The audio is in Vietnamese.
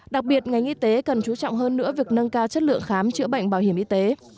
đặc biệt ngành y tế cần chú trọng hơn nữa việc nâng cao chất lượng khám chữa bệnh bảo hiểm y tế